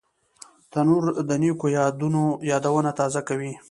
تنور د نیکو یادونه تازه کوي